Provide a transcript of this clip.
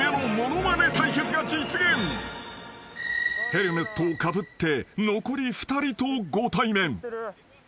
［ヘルメットをかぶって残り２人とご対面］